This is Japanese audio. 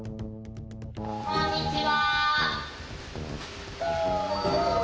こんにちは。